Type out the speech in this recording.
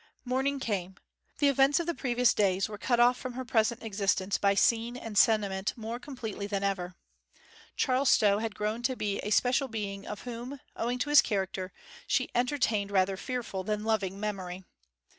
Morning came. The events of the previous days were cut off from her present existence by scene and sentiment more completely than ever. Charles Stow had grown to be a special being of whom, owing to his character, she entertained rather fearful than loving memory.